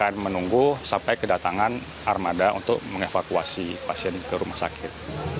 kita akan menunggu sampai kedatangan armada untuk mengevakuasi pasien ke rumah sakit